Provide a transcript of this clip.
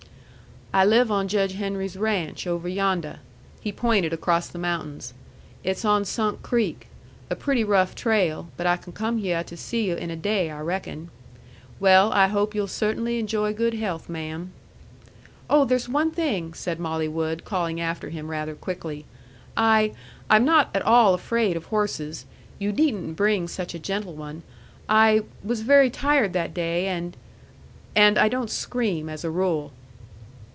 "I live on Judge Henry's ranch, over yondeh." He pointed across the mountains. "It's on Sunk Creek. A pretty rough trail; but I can come hyeh to see you in a day, I reckon. Well, I hope you'll cert'nly enjoy good health, ma'am." "Oh, there's one thing!" said Molly Wood, calling after him rather quickly. "I I'm not at all afraid of horses. You needn't bring such a gentle one. I was very tired that day, and and I don't scream as a rule."